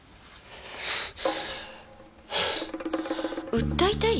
訴えたい？